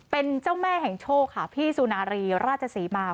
เป็นเจ้าแม่แห่งโชคค่ะพี่สุนารีราชศรีมา